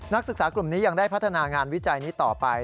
ศึกษากลุ่มนี้ยังได้พัฒนางานวิจัยนี้ต่อไป